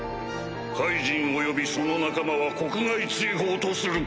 カイジン及びその仲間は国外追放とする。